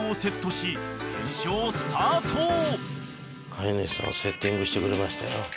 飼い主さんがセッティングしてくれましたよ。